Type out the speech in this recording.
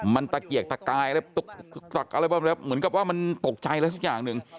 มันตะเกียกตะกายอะไรบ้างแล้วเหมือนกับว่ามันตกใจแล้วสุดอย่างหนึ่ง